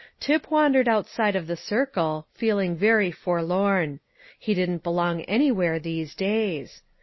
Tip wandered outside of the circle, feeling very forlorn; he didn't belong anywhere these days.